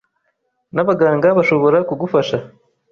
n Abaganga bashobora kugufasha